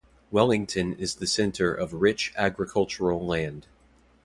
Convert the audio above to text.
Wellington is the centre of rich agricultural land.